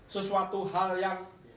sesuatu hal yang